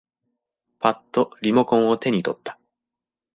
ぱっとリモコンを手に取った。